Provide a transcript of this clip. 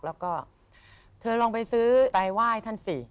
แล้วก็เธอลองไปซื้อไปไหว้ท่านสิ